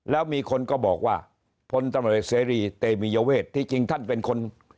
แล้วมีคนก็บอกว่าพลเตมียเวทที่จริงท่านเป็นคน